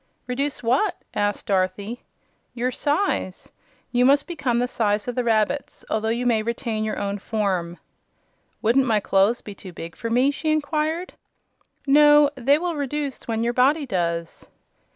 "Reduce what?" asked Dorothy. "Your size. You must become the size of the rabbits, although you may retain your own form." "Wouldn't my clothes be too big for me?" she inquired. "No; they will reduce when your body does."